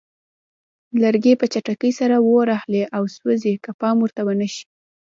لرګي په چټکۍ سره اور اخلي او سوځي که پام ورته ونه شي.